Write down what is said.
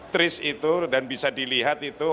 tris itu dan bisa dilihat itu